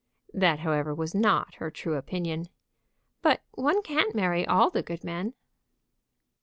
That, however, was not her true opinion. "But one can't marry all the good men."